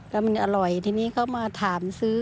แล้วมันอร่อยทีนี้เขามาถามซื้อ